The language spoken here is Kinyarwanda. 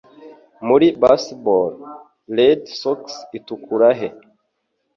Muri Baseball, red Sox Itukura he